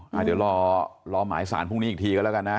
เดี๋ยวรอหมายสารพรุ่งนี้อีกทีก็แล้วกันนะ